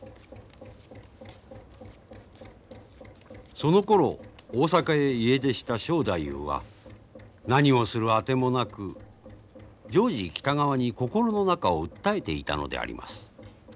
そのころ大阪へ家出した正太夫は何をするあてもなくジョージ北川に心の中を訴えていたのであります。